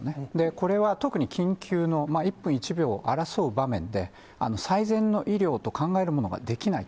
これは特に緊急の、１分１秒を争う場面で、最善の医療と考えるものができない。